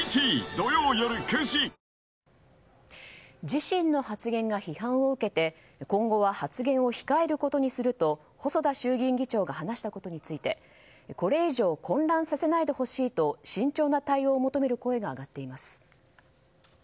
自身の発言が批判を受けて今後は発言を控えることにすると細田衆議院議長が話したことについてこれ以上混乱させないでほしいと慎重な対応を求める声が上がっています。